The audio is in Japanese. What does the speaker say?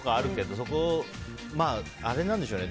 そこ、あれなんでしょうね。